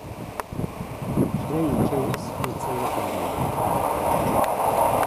Kra yekka wass netta d ixeddim.